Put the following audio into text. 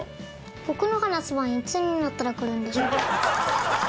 僕の話す番はいつになったら来るんでしょうか？